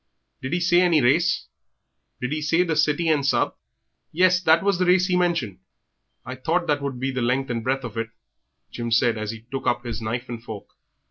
"Did he say any race? Did he say the City and Sub.?" "Yes, that was the race he mentioned." "I thought that would be about the length and the breadth of it," Jim said, as he took up his knife and fork.